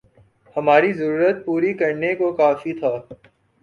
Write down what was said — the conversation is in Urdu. ہماری ضرورت پوری کرنے کو کافی تھا